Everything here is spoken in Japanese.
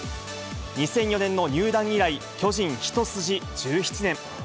２００４年の入団以来、巨人一筋１７年。